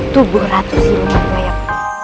tubuh ratus si rumah bayam